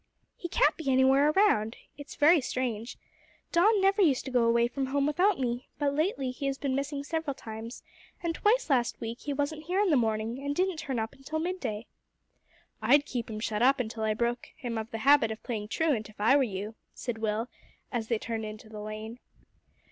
"He can't be anywhere around. It is very strange. Don never used to go away from home without me, but lately he has been missing several times, and twice last week he wasn't here in the morning and didn't turn up until midday." "I'd keep him shut up until I broke him of the habit of playing truant, if I were you," said Will, as they turned into the lane.